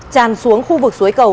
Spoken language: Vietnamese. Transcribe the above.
tràn xuống khu vực suối cầu